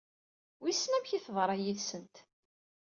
Wissen amek i teḍra yid-sent?